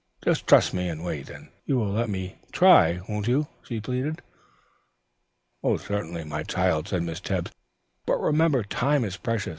Just trust me and wait. You will let me try, won't you?" she pleaded. "Certainly, my child," said Miss Tebbs, "but remember time is precious.